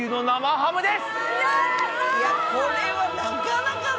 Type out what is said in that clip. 生ハム。